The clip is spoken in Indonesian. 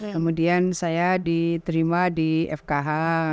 kemudian saya diterima di fkh